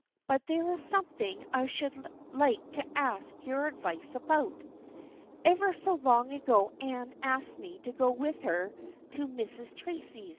But there is something I should like to ask your advice about. Ever so long ago Anne asked me to go with her to Mrs. Tracy's.